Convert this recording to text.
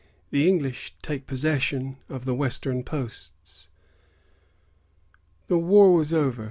THE ENGLISH TAKE POSSESSION OF THE WESTERN POSTS. The war was over.